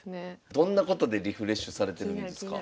どんなことでリフレッシュされてるんですか？